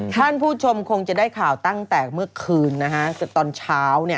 ท่านผู้ชมคงจะได้ข่าวตั้งแต่เมื่อคืนตอนเช้า